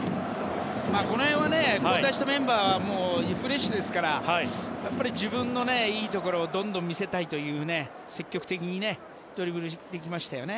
この辺は交代したメンバーはフレッシュですから自分のいいところをどんどん見せたいという積極的にドリブルに行ってきましたよね。